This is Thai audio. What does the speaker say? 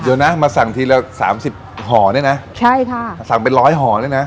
เดี๋ยวนะมาสั่งทีละสามสิบห่อเนี่ยนะใช่ค่ะสั่งเป็นร้อยห่อด้วยนะ